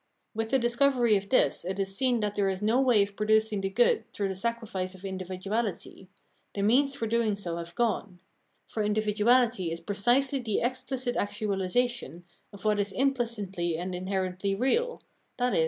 With the discovery of this it is seen that there is no way of producing the good through the sacrifice of individuality, the means for doing so Virtue and the Course of the World 379 have gone ; for individuality is precisely the explicit actualisation of what is implicitly and inherently real (i.e.